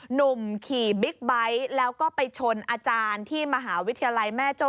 หนุ่มขี่บิ๊กไบท์แล้วก็ไปชนอาจารย์ที่มหาวิทยาลัยแม่โจ้